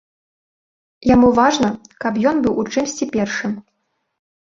Яму важна, каб ён быў у чымсьці першым.